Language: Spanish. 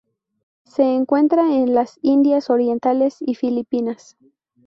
Se encuentra en las Indias Orientales y Filipinas.